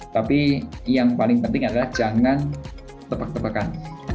tapi yang paling penting adalah jangan tebak tebakan